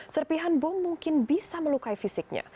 serpihan bom mungkin bisa melukai fisiknya